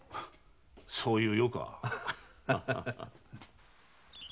そういう世か。